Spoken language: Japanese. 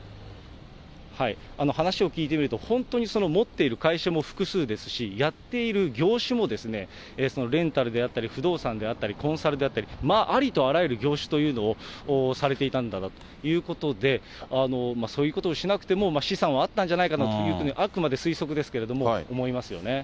話を聞いてみると、本当にその持っている会社も複数ですし、やっている業種も、レンタルであったり、不動産であったり、コンサルであったり、ありとあらゆる業種というのをされていたんだなということで、そういうことをしなくても資産はあったんじゃないかというふうに、あくまで推測ですけれども、思いますよね。